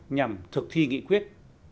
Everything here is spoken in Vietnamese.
nhằm thực thi nghị quyết